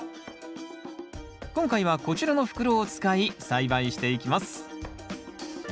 今回はこちらの袋を使い栽培していきます。